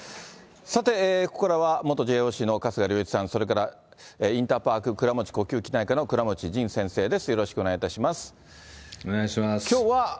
さて、ここからは元ＪＯＣの春日良一さん、それから、インターパーク倉持呼吸器内科の倉持仁先生です。